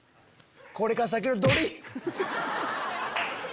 これから先のドリーム！